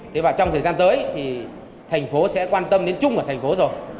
thế và trong thời gian tới thì thành phố sẽ quan tâm đến chung ở thành phố rồi